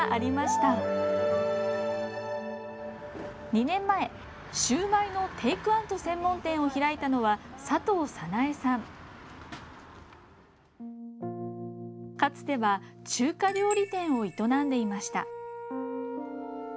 ２年前シューマイのテイクアウト専門店を開いたのはかつては中華料理店を営んでいました。